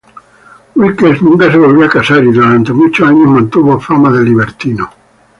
Wilkes nunca se volvió a casar y durante muchos años mantuvo fama de libertino.